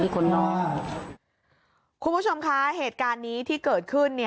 คุณผู้ชมคะเหตุการณ์นี้ที่เกิดขึ้น